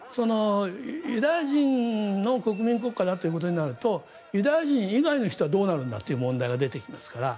ユダヤ人の国民国家だということになるとユダヤ人以外の人はどうなるんだという問題が出てきますから。